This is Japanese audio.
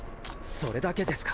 それだけですか。